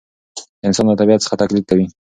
انسان له طبیعت څخه تقلید کوي.